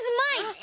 え？